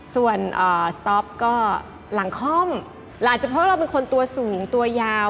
ส่วนสต๊อปก็หลังคล่อมอาจจะเพราะเราเป็นคนตัวสูงตัวยาว